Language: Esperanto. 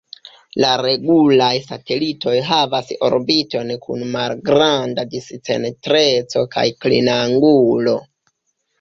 La regulaj satelitoj havas orbitojn kun malgranda discentreco kaj klinangulo.